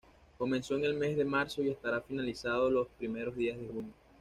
Comenzó en el mes de marzo y estará finalizado los primeros días de junio.